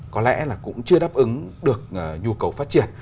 có lẽ là cũng chưa đáp ứng được nhu cầu phát triển